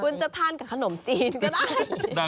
คุณจะทานกับขนมจีนก็ได้